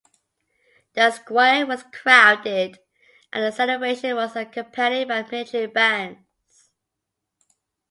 The square was crowded and the celebration was accompanied by military bands.